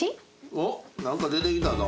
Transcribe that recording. おっ何か出てきたぞ。